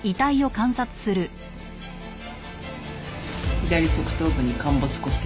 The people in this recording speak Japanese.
左側頭部に陥没骨折。